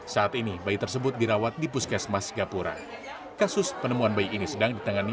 saat ini bayi tersebut dirawat di puskesmas gapura kasus penemuan bayi ini sedang ditangani